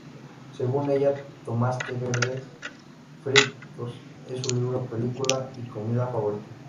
Según ella, "Tomates verdes fritos" es su libro, película y comida favoritas.